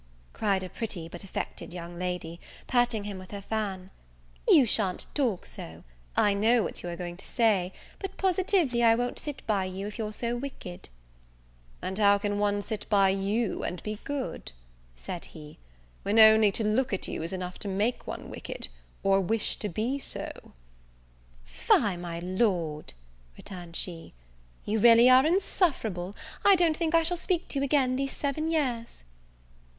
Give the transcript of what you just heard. cried a pretty, but affected young lady, patting him with her fan, "you sha'n't talk so; I know what you are going to say; but, positively, I won't sit by you, if you're so wicked." "And how can one sit by you, and be good?" said he, "when only to look at you is enough to make one wicked or wish to be so?" "Fie, my Lord!" returned she, "you really are insufferable. I don't think I shall speak to you again these seven years."